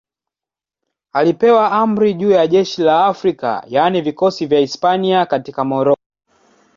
Alipewa amri juu ya jeshi la Afrika, yaani vikosi vya Hispania katika Moroko.